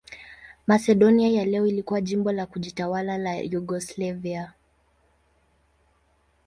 Masedonia ya leo ilikuwa jimbo la kujitawala la Yugoslavia.